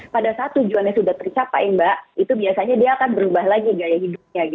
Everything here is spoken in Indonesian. pada saat tujuannya sudah tercapai mbak itu biasanya dia akan berubah lagi gaya hidupnya